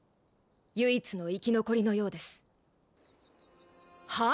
唯一の生き残りのようですはあ？